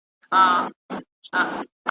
خو هېر کړی هر یوه وروستی ساعت وي .